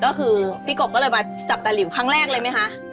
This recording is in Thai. ก็คือพี่กบก็เลยมาจับตาหลิวครั้งแรกเลยไหมคะ